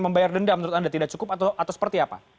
membayar denda menurut anda tidak cukup atau seperti apa